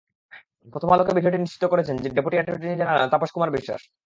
প্রথম আলোকে বিষয়টি নিশ্চিত করেছেন deputy attorney general Tapas Kumar বিশ্বাস।